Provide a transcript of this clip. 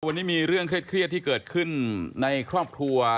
วันนี้มีเรื่องเครียดที่เกิดขึ้นในครอบครัว